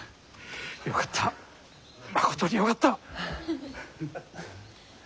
よかったまことによかった！